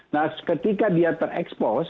nah ketika dia terekspos